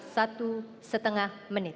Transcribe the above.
satu setengah menit